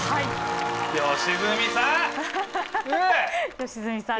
良純さん